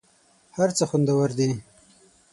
هر څه خوندور دي .